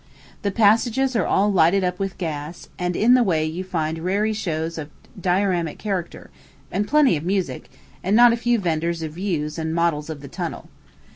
The passages are all lighted up with gas, and in the way you find raree shows of a dioramic character, and plenty of music, and not a few venders of views and models of the tunnel.